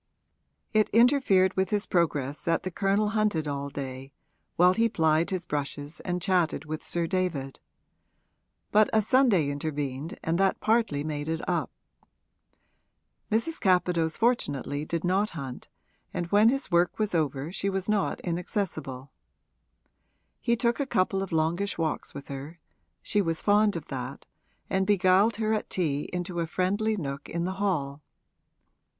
It interfered with his progress that the Colonel hunted all day, while he plied his brushes and chatted with Sir David; but a Sunday intervened and that partly made it up. Mrs. Capadose fortunately did not hunt, and when his work was over she was not inaccessible. He took a couple of longish walks with her (she was fond of that), and beguiled her at tea into a friendly nook in the hall.